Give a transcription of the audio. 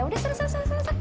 udah selesai selesai selesai